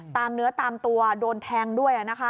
ตามเนื้อตามตัวโดนแทงด้วยนะคะ